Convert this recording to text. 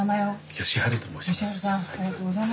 義晴と申します。